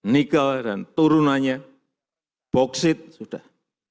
nikel dan turunannya boksit sudah